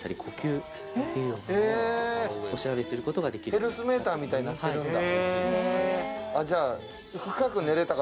ヘルスメーターみたいになってるんだ。